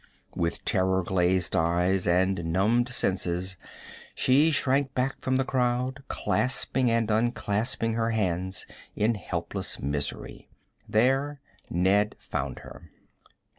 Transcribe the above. With terror glazed eyes and numbed senses she shrank back from the crowd, clasping and unclasping her hands in helpless misery. There Ned found her.